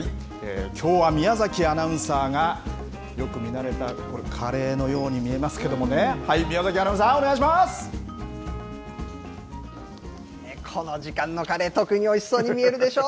きょうは宮崎アナウンサーが、よく見慣れた、これ、カレーのように見えますけどね、この時間のカレー、特においしそうに見えるでしょ？